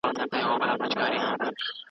زما د کلي نصيب خوار دی